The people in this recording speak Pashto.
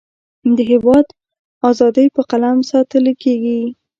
د هیواد اذادی په قلم ساتلکیږی